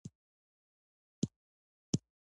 په دې کار سره حیرانه شو